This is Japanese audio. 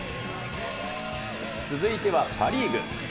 続いてはパ・リーグ。